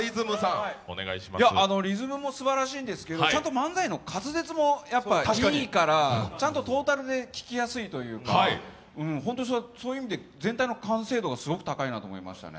リズムもすばらしいんですけどちゃんと漫才の滑舌もいいから、ちゃんとトータルで聴きやすいっていうかそういう意味で全体の完成度が高いなと思いますね。